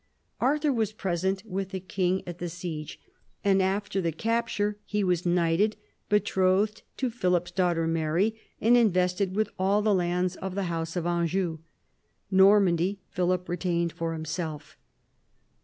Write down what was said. Arthur was present with the king at the siege, and after the capture he was knighted, betrothed to Philip's daughter, Mary, and invested with all the lands of the house of Anjou. Normandy Philip retained for himself.